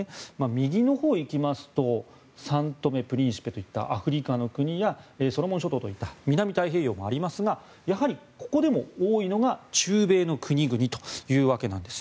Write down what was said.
右のほうにいくとサントメ・プリンシペといったアフリカの国やソロモン諸島といった南太平洋もありますがやはり、ここでも多いのが中米の国々というわけです。